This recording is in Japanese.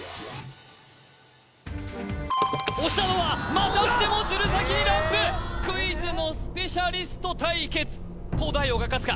押したのはまたしても鶴崎にランプクイズのスペシャリスト対決東大王が勝つか？